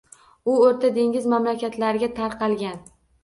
U Oʻrta dengiz mamlakatlariga tarqalgan.